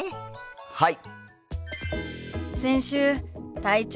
はい！